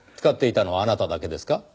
使っていたのはあなただけですか？